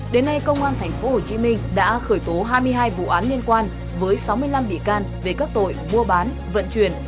đến nay công an tp hcm đã khởi tố hai mươi hai vụ án liên quan với sáu mươi năm bị can về các tội mua bán vận chuyển